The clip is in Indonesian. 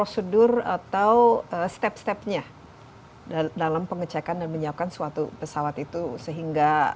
suatu pesawat itu sehingga